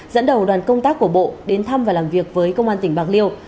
dẫn đầu đoàn công tác của bộ đến thăm và làm việc với công an tỉnh bạc liêu